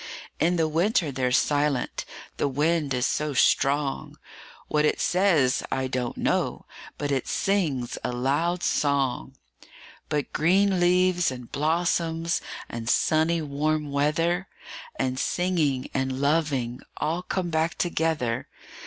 In the winter they're silent the wind is so strong; What it says, I don't know, but it sings a loud song. But green leaves, and blossoms, and sunny warm weather, 5 And singing, and loving all come back together.